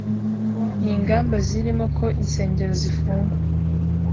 Ni ingamba zirimo ko insengero zifungwa